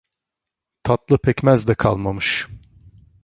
Tatlı pekmez de kalmamış.